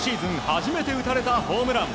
初めて打たれたホームラン。